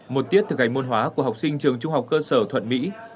một tiết thực hành môn hóa của học sinh trường trung học cơ sở thuận mỹ